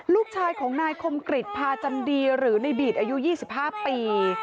ลูกชายของนายคมกริจพาจันดีหรือในบีดอายุ๒๕ปี